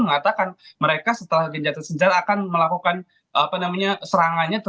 mengatakan mereka setelah genjatan sejarah akan melakukan serangannya